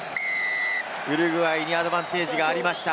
ウルグアイにアドバンテージがありました。